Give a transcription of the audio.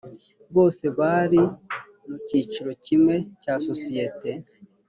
bose bari mu cyiciro kimwe cya sosiyete